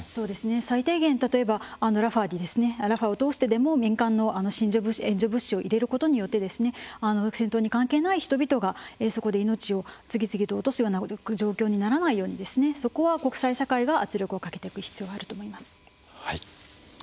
最低限、例えばラファを通しても民間の支援物資を入れることによって戦闘に関係ない人々がそこで命を次々と落とすような状況にならないようにそこは国際社会が圧力をかけていく必要があると思います。